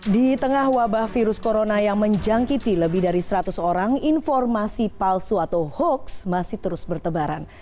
di tengah wabah virus corona yang menjangkiti lebih dari seratus orang informasi palsu atau hoax masih terus bertebaran